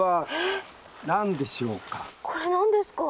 これ何ですか？